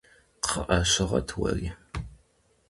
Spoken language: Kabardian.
КхъыӀэ, щыгъэт уэри!